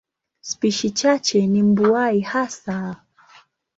Spishi chache ni mbuai hasa.